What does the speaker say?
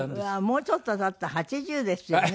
もうちょっと経ったら８０ですよね。